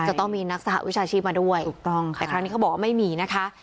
จะต้องมีนักสหวิชาชีพมาด้วยถูกต้องแต่ครั้งนี้เขาบอกว่าไม่มีนะคะ